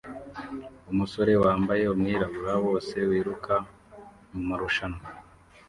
Umusore wambaye umwirabura wose wiruka mumarushanwa